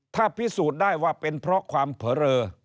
ถ้าพิสูจน์ได้ว่าเป็นเพราะความเผลอเลอ